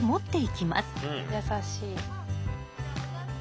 優しい。